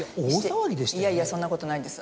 いやいやそんなことないです